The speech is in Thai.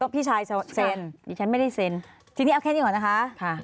พี่ชายเซ็นดิฉันไม่ได้เซ็นทีนี้เอาแค่นี้ก่อนนะคะ